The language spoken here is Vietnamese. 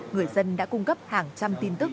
người dân đã cung cấp hàng trăm tin tức